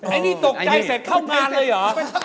ไอ้นี่ตกใจเสร็จเข้ามาเลยหรอ